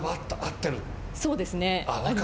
そうですね。